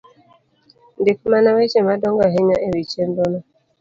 Ndik mana weche madongo ahinya e wi chenro no